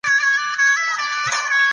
زه له سېل څخه سم پاته